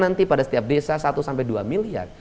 nanti pada setiap desa satu sampai dua miliar